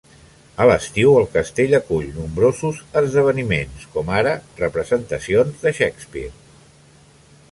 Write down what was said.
A l'estiu, el castell acull nombrosos esdeveniments, com ara representacions de Shakespeare.